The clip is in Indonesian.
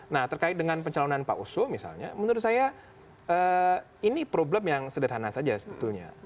nah terkait dengan pencalonan pak oso misalnya menurut saya ini problem yang sederhana saja sebetulnya